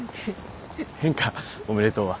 変かおめでとうは。